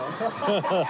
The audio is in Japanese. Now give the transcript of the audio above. ハハハハ。